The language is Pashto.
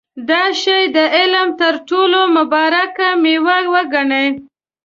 دا شی د علم تر ټولو مبارکه مېوه وګڼله.